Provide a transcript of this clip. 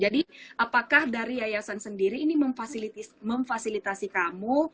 jadi apakah dari yayasan sendiri ini memfasilitasi kamu